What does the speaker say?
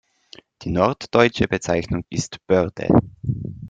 Die norddeutsche Bezeichnung ist "Börde.